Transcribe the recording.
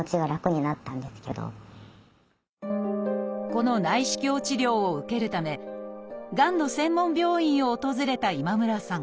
この内視鏡治療を受けるためがんの専門病院を訪れた今村さん。